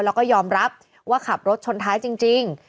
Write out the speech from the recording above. แล้วก็ยอมรับว่าขับรถชนท้ายจริง